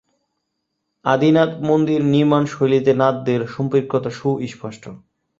আদিনাথ মন্দির নির্মাণশৈলীতে নাথদের সম্পৃক্ততা সুস্পষ্ট।